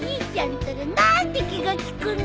ったらなんて気が利くの！